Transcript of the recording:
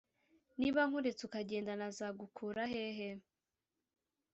niba nkuretse ukagenda nazgukura hehe